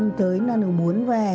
mong năm tới là được muốn về